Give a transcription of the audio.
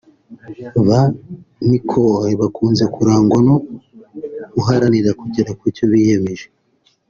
Ba Nicole bakunze kurangwa no guharanira kugera kucyo biyemeje